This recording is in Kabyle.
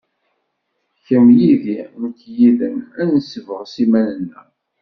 Kemm yid-i, nekk yid-m, ad nessebɣes iman-nneɣ.